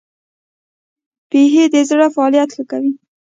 بیهي د زړه فعالیت ښه کوي.